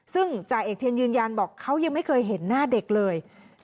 ซึ่งจ่าเอกเทียนยืนยันบอกเขายังไม่เคยเห็นหน้าเด็กเลย